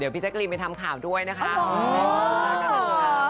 เดี๋ยวพี่แจ๊กรีมไปทำข่าวด้วยนะครับ